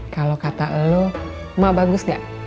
kalau kata lo mah bagus gak